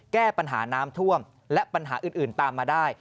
แก้ปัญหาน้ำท่วมและปัญหาอื่นตามมาได้